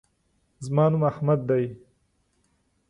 زما نوم احمد دے